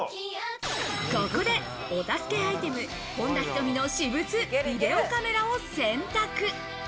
ここでお助けアイテム・本田仁美の私物、ビデオカメラを選択。